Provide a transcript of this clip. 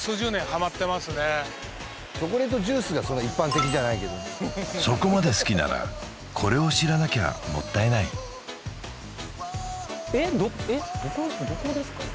チョコレートジュースがそんな一般的じゃないけどそこまで好きならこれを知らなきゃもったいないえっどえっどこですか？